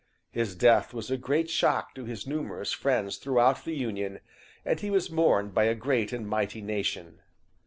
His death was a great shock to his numerous friends throughout the Union, and he was mourned by a great and mighty nation.